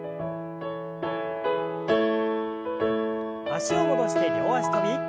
脚を戻して両脚跳び。